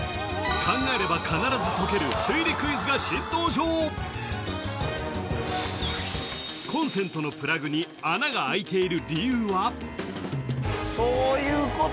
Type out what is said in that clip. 考えれば必ず解ける推理クイズが新登場コンセントのプラグに穴があいている理由は？